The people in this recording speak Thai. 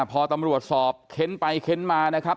พอตำรวจสอบเค้นไปเค้นมานะครับ